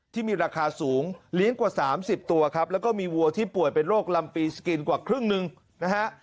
ที่มีราคาสูงเลี้ยงกว่า๓๐ตัวครับแล้วก็มีวัวที่ป่วยเป็นโรคลำปีสกินกว่าครึ่งหนึ่งนะฮะ